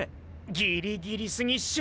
ギリギリすぎっショ！！